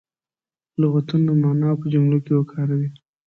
لغتونه معنا او په جملو کې وکاروي.